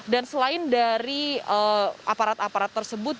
dan selain dari aparat aparat tersebut